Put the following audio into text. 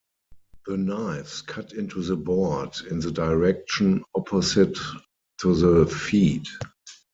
The knives cut into the board in the direction opposite to the feed.